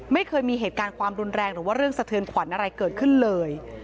ไม่เคยมีเหตุการณ์ความรุนแรงหรือว่าเรื่องสะเทือนขวัญอะไรเกิดขึ้นเลย